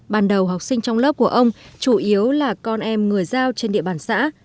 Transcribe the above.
ban đầu học sinh trong lớp của ông chủ yếu là con em người giao trên địa bàn xã